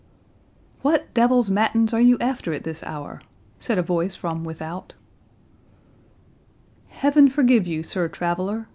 "What devil's matins are you after at this hour?" said a voice from without. "Heaven forgive you, Sir Traveller!"